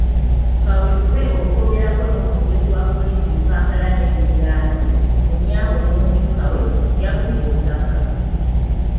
Kaweefube okwogerako n'Omwogezi wa poliisi mu Kampala n'emirilaano, Onyango n'omumyuka we, yagudde butaka.